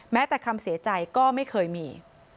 แม้แต่คำเสียใจก็ไม่เคยมี